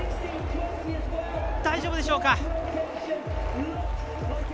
大丈夫でしょうか。